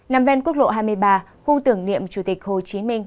nằm ven quốc lộ hai mươi ba khu tưởng niệm chủ tịch hồ chí minh